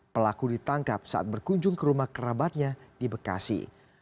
pelaku ditangkap saat berkunjung ke rumah kerabatnya di bekasi